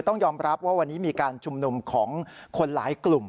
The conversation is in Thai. ต้องยอมรับว่าวันนี้มีการชุมนุมของคนหลายกลุ่ม